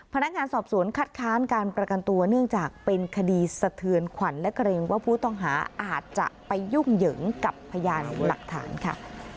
พนักงานสอบสวนคัดค้านการประกันตัวเนื่องจากเป็นคดีสะเทือนขวัญและเกรงว่าผู้ต้องหาอาจจะไปยุ่งเหยิงกับพยานหลักฐานค่ะ